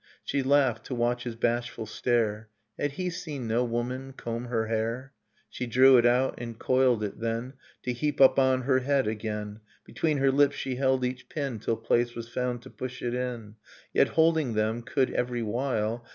She laughed, to watch his bashful stare: Had he seen no woman comb her hair? — She drew it out and coiled it then To heap up on her head again; Between her lips she held each pin Till place was found to push it in, Yet, holding them, could, every while.